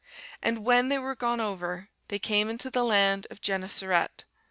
And when they were gone over, they came into the land of Gennesaret.